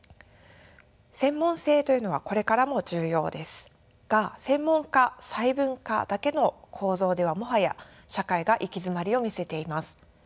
専門性というのはこれからも重要ですが専門化・細分化だけの構造ではもはや社会が行き詰まりを見せています。